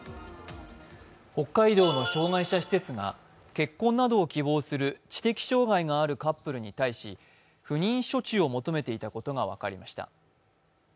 北海道の障害者施設が結婚などを希望する知的障害があるカップルに対し、不妊処置を求めていたことが分かりました。